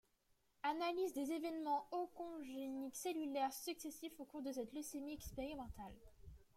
Analyse des évènements oncogéniques cellulaires successifs au cours de cette leucémie expérimentale.